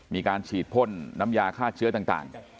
มีการฉีดพ่นน้ำยาฆ่าเชื้อต่าง